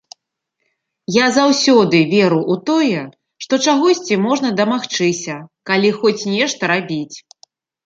Я заўсёды веру ў тое, што чагосьці можна дамагчыся, калі хоць нешта рабіць.